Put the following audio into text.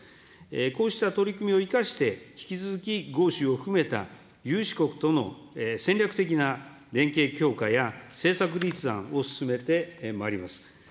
こうした取り組みを生かして、引き続き豪州を含めた有志国との戦略的な連携強化や、政策立案を進めてまいります。